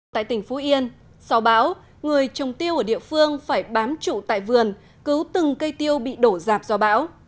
tại tỉnh phú yên sau bão người trồng tiêu ở địa phương phải bám trụ tại vườn cứu từng cây tiêu bị đổ dạp do bão